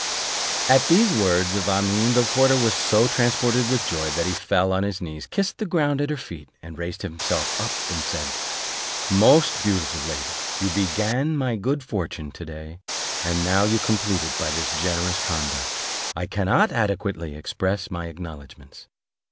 At these words of Amene, the porter was so transported with joy, that he fell on his knees, kissed the ground at her feet, and raising himself up, said, "Most beautiful lady, you began my good fortune to day, and now you complete it by this generous conduct; I cannot adequately express my acknowledgments.